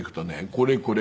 「これこれ。